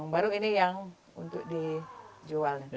baru ini yang untuk dijual